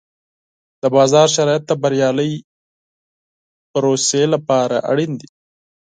د بازار شرایط د بریالۍ پروسې لپاره اړین دي.